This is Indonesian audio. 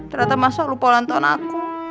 ternyata mas awas lupa lantauan aku